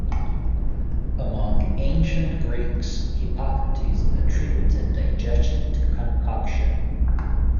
Among ancient Greeks, Hippocrates attributed digestion to concoction.